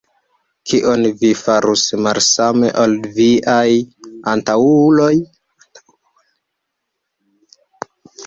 Kion vi farus malsame ol viaj antaŭuloj?